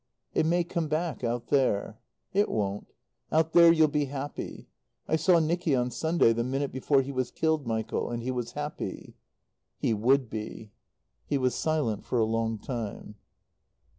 "It may come back out there." "It won't. Out there you'll be happy. I saw Nicky on Sunday the minute before he was killed, Michael. And he was happy." "He would be." He was silent for a long time.